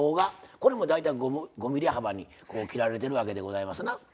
これも大体５ｍｍ幅に切られてるわけでございますな。